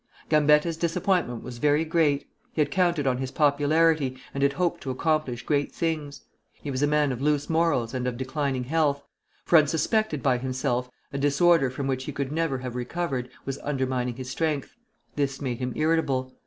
Gambetta's disappointment was very great. He had counted on his popularity, and had hoped to accomplish great things. He was a man of loose morals and of declining health, for, unsuspected by himself, a disorder from which he could never have recovered, was undermining his strength; this made him irritable.